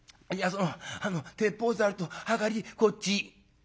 そのあの鉄砲ざるとはかりこっち」。